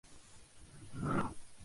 Esto se hará por inducción.